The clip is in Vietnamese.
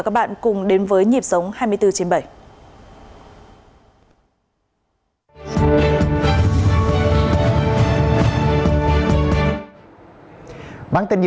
các bạn nhớ đăng ký kênh để ủng hộ kênh của chương trình nhé